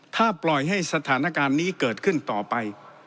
ถ้าปล่อยให้สถานการณ์นี้เกิดขึ้นต่อไป